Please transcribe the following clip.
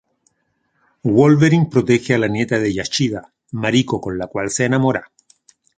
Wolverine protege a la nieta de Yashida, Mariko con la cual se enamora.